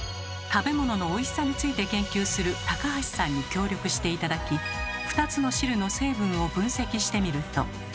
食べ物のおいしさについて研究する橋さんに協力して頂き２つの汁の成分を分析してみると。